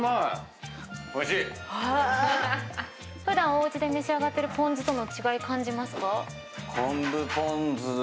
普段おうちで召し上がってるぽん酢との違い感じますか？